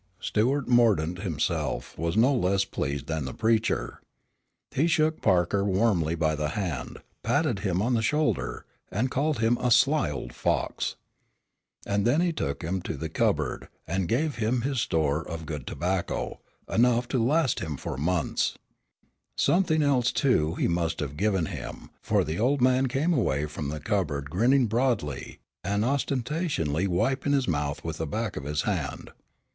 Stuart Mordaunt himself was no less pleased than the preacher. He shook Parker warmly by the hand, patted him on the shoulder, and called him a "sly old fox." And then he took him to the cupboard, and gave him of his store of good tobacco, enough to last him for months. Something else, too, he must have given him, for the old man came away from the cupboard grinning broadly, and ostentatiously wiping his mouth with the back of his hand.